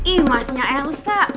ih masnya elsa